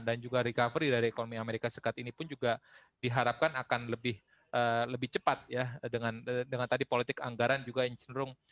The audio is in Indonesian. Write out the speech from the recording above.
dan juga recovery dari ekonomi amerika serikat ini pun juga diharapkan akan lebih cepat ya dengan tadi politik anggaran juga yang cenderung